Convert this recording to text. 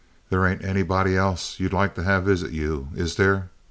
There ain't anybody else you'd like to have visit you, is there?